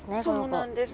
そうなんです。